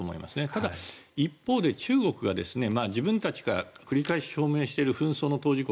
ただ、一方で中国が自分たちが繰り返し表明している紛争の当事国